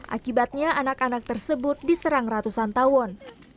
akibatnya anak anak tersebut diserang ratusan tawon